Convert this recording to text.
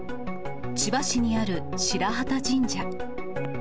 千葉市にある白幡神社。